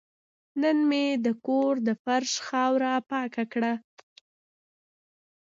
نن مې د کور د فرش خاوره پاکه کړه.